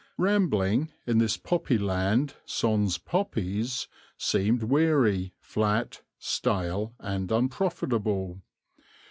Rambling, in this Poppy Land sans poppies, seemed weary, flat, stale and unprofitable.